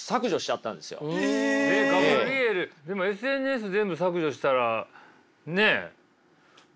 でもＳＮＳ全部削除したらねっ。